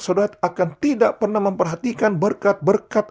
saudara akan tidak pernah memperhatikan berkat berkat